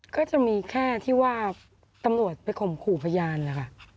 ก็จะมีแค่ที่ว่าตำรวจไปข่มขู่พยานนะคะ